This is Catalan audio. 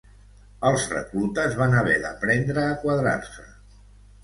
Els reclutes van haver d'aprendre a quadrar-se.